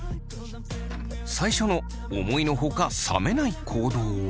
最初の思いのほか冷めない行動は。